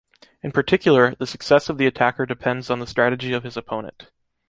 In particular, the success of the attacker depends on the strategy of his opponent.